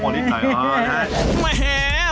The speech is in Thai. โอเค